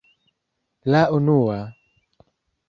- La unua...